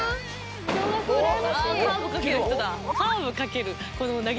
あカーブかける人だ。